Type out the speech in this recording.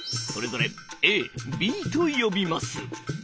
それぞれ「Ａ」「Ｂ」と呼びます。